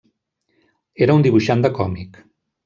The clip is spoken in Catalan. Era un dibuixant de còmic.